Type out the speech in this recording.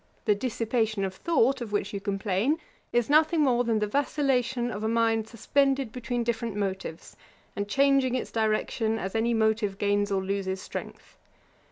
The dissipation of thought, of which you complain, is nothing more than the vacillation of a mind suspended between different motives, and changing its direction as any motive gains or loses strength.